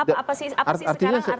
apa sih sekarang artinya